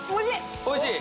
おいしい？